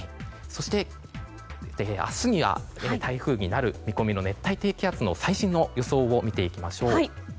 明日には台風になる見込みの熱帯低気圧の最新の予想を見ていきましょう。